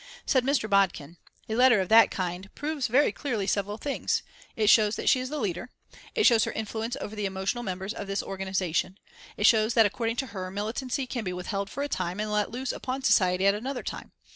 Said Mr. Bodkin: "A letter of that kind proves very clearly several things. It shows that she is the leader. It shows her influence over the emotional members of this organisation. It shows that according to her, militancy can be withheld for a time and let loose upon society at another time.